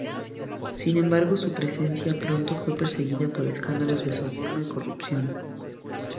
Sin embargo su presidencia pronto fue perseguida por escándalos de soborno y de corrupción.